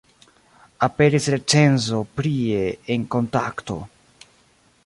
Aperis recenzo prie en Kontakto.